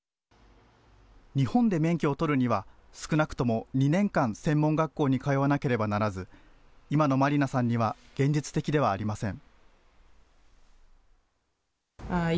日本で免許を取るには少なくとも２年間専門学校に通わなければならず今のマリナさんには現実的ではありません。